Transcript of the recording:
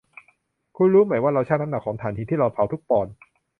คุณรู้ไหมว่าเราชั่งน้ำหนักของถ่านหินที่เราเผาทุกปอนด์